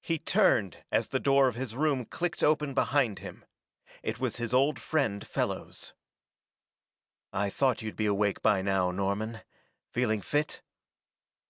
He turned as the door of the room clicked open behind him. It was his old friend Fellows. "I thought you'd be awake by now, Norman. Feeling fit?"